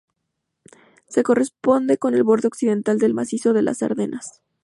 Se corresponde con el borde occidental del macizo de las Ardenas.